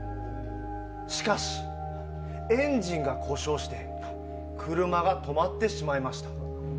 しかし、エンジンが故障して車が止まってしまいました。